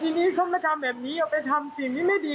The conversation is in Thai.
ทีนี้เขามาทำแบบนี้เอาไปทำสิ่งนี้ไม่ดี